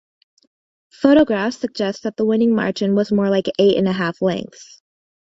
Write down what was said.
Photographs suggest that the winning margin was more like eight and a half lengths.